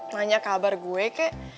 nanya kabar gue kek